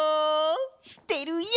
してるよ！